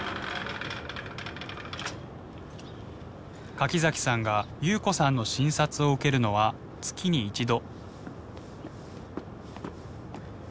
柿崎さんが夕子さんの診察を受けるのは月に一度。